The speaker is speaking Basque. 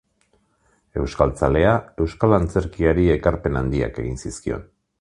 Euskaltzalea, euskal antzerkiari ekarpen handiak egin zizkion.